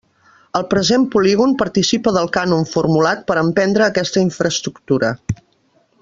El present polígon participa del cànon formulat per a emprendre aquesta infraestructura.